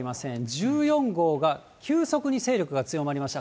１４号が急速に勢力が強まりました。